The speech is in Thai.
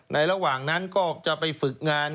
ระหว่างนั้นก็จะไปฝึกงาน